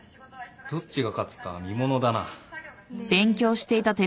どっちが勝つか見ものだな。ね。